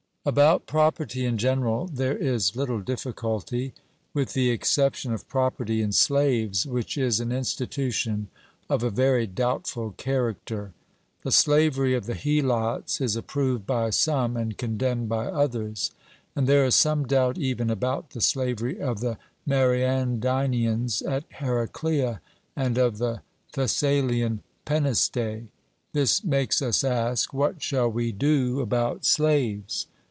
About property in general there is little difficulty, with the exception of property in slaves, which is an institution of a very doubtful character. The slavery of the Helots is approved by some and condemned by others; and there is some doubt even about the slavery of the Mariandynians at Heraclea and of the Thessalian Penestae. This makes us ask, What shall we do about slaves?